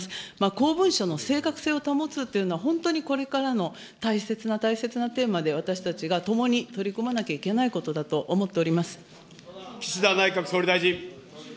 公文書の正確性を保つというのは、本当にこれからの大切な大切なテーマで、私たちが共に取り組まなきゃいけないことだと思っております。